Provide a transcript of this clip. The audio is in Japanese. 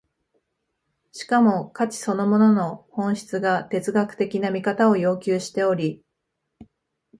しかも価値そのものの本質が哲学的な見方を要求しており、